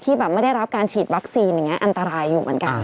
แบบไม่ได้รับการฉีดวัคซีนอย่างนี้อันตรายอยู่เหมือนกัน